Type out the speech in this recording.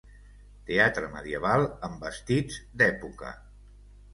Teatre medieval amb vestits d'època.